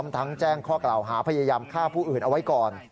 แจ้งข้อกล่าวหาพยายามฆ่าผู้อื่นเอาไว้ก่อน